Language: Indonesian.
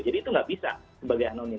jadi itu tidak bisa sebagai anonim